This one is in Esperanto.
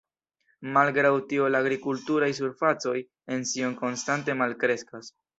Malgraŭ tio la agrikulturaj surfacoj en Sion konstante malkreskas.